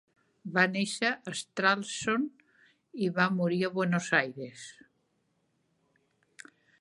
Va néixer a Stralsund i va morir a Buenos Aires.